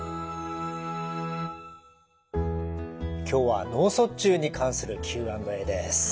今日は脳卒中に関するＱ＆Ａです。